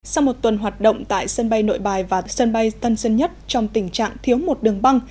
sau một tuần hoạt động tại sân bay nội bài và sân bay tân sơn nhất trong tình trạng thiếu một đường băng